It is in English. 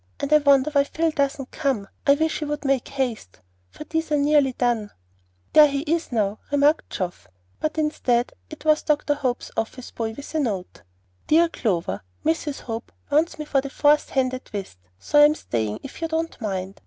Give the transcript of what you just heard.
And I wonder why Phil doesn't come. I wish he would make haste, for these are nearly done." "There he is now," remarked Geoff. But instead it was Dr. Hope's office boy with a note. DEAR C., Mrs. Hope wants me for a fourth hand at whist, so I'm staying, if you don't mind.